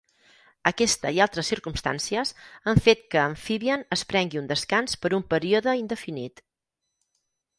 Aquesta i altres circumstàncies han fet que Amfibian es prengui un descans per un període indefinit.